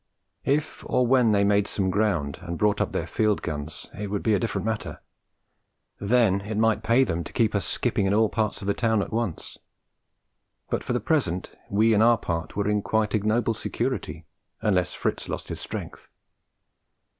If or when they made some ground, and brought up their field guns, it would be a different matter; then it might pay them to keep us skipping in all parts of the town at once; but, for the present, we in our part were in quite ignoble security unless Fritz lost his strength!